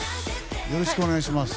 よろしくお願いします。